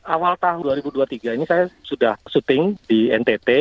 awal tahun dua ribu dua puluh tiga ini saya sudah shooting di ntt